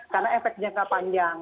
karena efek jangka panjang